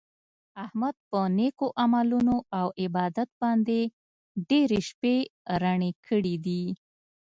احمد په نېکو عملونو او عبادت باندې ډېرې شپې رڼې کړي دي.